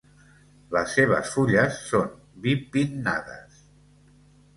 Les seves fulles són bipinnades.